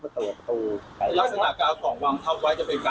ห่วงเท่าไว้จะเป็นการทำพยายามอัมภารกรรมอภาร